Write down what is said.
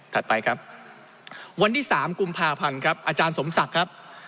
ไปครับวันที่๓กุมภาพันธ์ครับอาจารย์สมศักดิ์ครับ